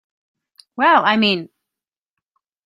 Well, I mean!